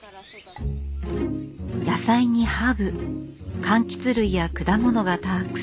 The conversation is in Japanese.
野菜にハーブかんきつ類や果物がたくさん。